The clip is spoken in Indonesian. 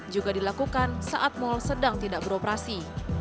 juga dilakukan saat mal sedang tidak beroperasi